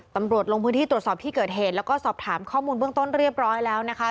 ตำรวจลงพื้นที่ตรวจสอบที่เกิดเหตุแล้วก็สอบถามข้อมูลเบื้องต้นเรียบร้อยแล้วนะคะ